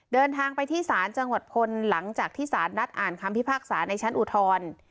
เดินทางไปที่ศาลจังหวัดพลหลังจากที่สารนัดอ่านคำพิพากษาในชั้นอุทธร